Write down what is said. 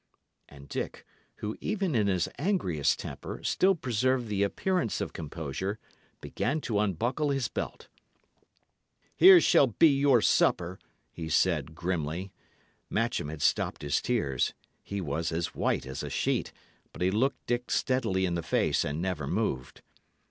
And Dick, who, even in his angriest temper, still preserved the appearance of composure, began to unbuckle his belt. "Here shall be your supper," he said, grimly. Matcham had stopped his tears; he was as white as a sheet, but he looked Dick steadily in the face, and never moved.